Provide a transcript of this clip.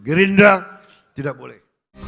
geridra tidak boleh